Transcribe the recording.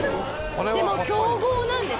でも強豪なんですよね？